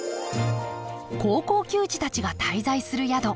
高校球児たちが滞在する宿。